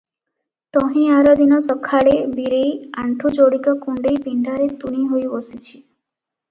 ତହିଁ ଆରଦିନ ସଖାଳେ ବୀରେଇ ଆଣ୍ଠୁ ଯୋଡିକ କୁଣ୍ଢେଇ ପିଣ୍ଡାରେ ତୁନି ହୋଇ ବସିଛି ।